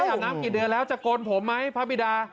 อาบน้ำกี่เดือนแล้วจะโกนผมไหมพระบิดา